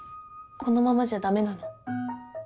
このままじゃダメなの？